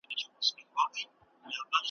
او که ریشتیا درته ووایم ,